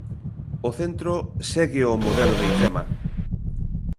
O centro segue o modelo de Ifema.